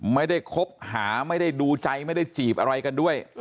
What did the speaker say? คบหาไม่ได้ดูใจไม่ได้จีบอะไรกันด้วย